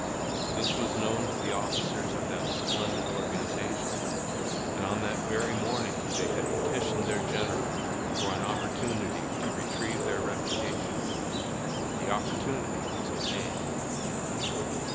This was known to the officers of that splendid organization, and on that very morning they had petitioned their general for an opportunity to retrieve their reputation. The opportunity was at hand.